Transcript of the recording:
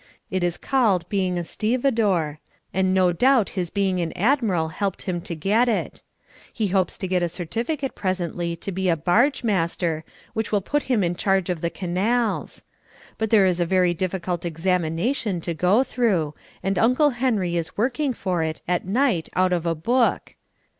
It is called being a stevedore, and no doubt his being an Admiral helped him to get it. He hopes to get a certificate presently to be a Barge Master, which will put him in charge of the canals. But there is a very difficult examination to go through and Uncle Henry is working for it at night out of a book.